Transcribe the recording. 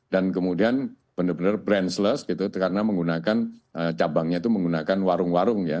dan kemudian benar benar brandless gitu karena menggunakan cabangnya itu menggunakan warung warung ya